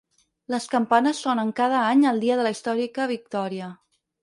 Les campanes sonen cada any el dia de la històrica victòria.